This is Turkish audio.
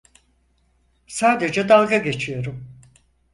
Sadece dalga geçiyorum.